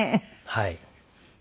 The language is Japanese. はい。